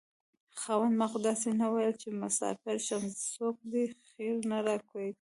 خاونده ما خو داسې نه وېل چې مساپر شم څوک دې خير نه راکوينه